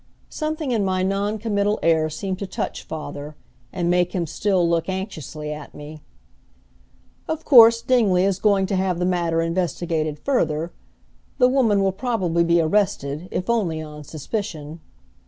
Something in my noncommittal air seemed to touch father, and make him still look anxiously at me. "Of course, Dingley is going to have the matter investigated further. The woman will probably be arrested, if only on suspicion."